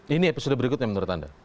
ini episode berikutnya menurut anda